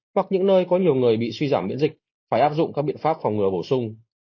hoặc những nơi có nhiều người bị suy giảm miễn dịch phải áp dụng các biện pháp phòng ngừa bổ sung